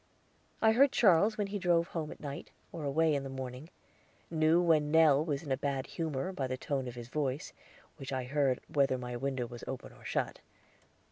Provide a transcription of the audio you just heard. I heard Charles when he drove home at night, or away in the morning; knew when Nell was in a bad humor by the tone of his voice, which I heard whether my window was open or shut.